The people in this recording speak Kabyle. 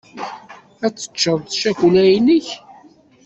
Ad teččeḍ cakula-inek.